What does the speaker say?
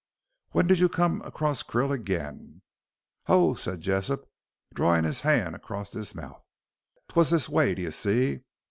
"When did you come across Krill again?" "Ho," said Jessop, drawing his hand across his mouth, "'twas this way, d'ye see.